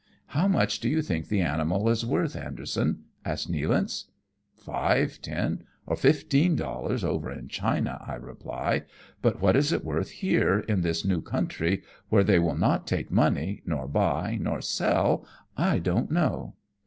'■ How much do you think the animal is worth, Anderson ?" asks Nealance. " Five, ten, or fifteen dollars, over in China," I reply ;" but what it is worth here, in this new country, where they will not take money, nor buy, nor sell, I don't know."